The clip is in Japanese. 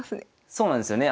そうなんですよね。